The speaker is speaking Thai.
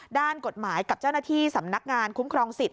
ด้านกฎหมายกับเจ้าหน้าที่สำนักงานคุ้มครองสิทธ